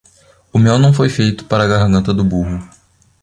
O mel não foi feito para a garganta do burro.